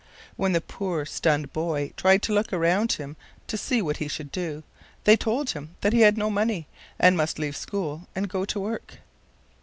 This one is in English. When the poor stunned boy tried to look around him to see what he should do, they told him that he had no money, and must leave school and go to work.